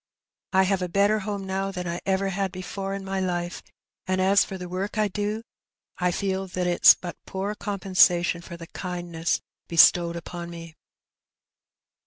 I have a better home now than I ever had before in my life, and as for the work I do, I feel that it's but poor compensation for the kindness bestowed upon me."